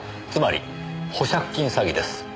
つまり保釈金詐欺です。